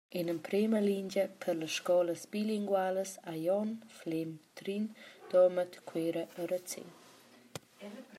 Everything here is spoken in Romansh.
En emprema lingia per las scolas bilinguas a Glion, Flem, Trin, Domat, Cuera, Razén.